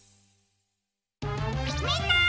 みんな！